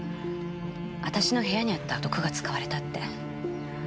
私の部屋にあった毒が使われたって。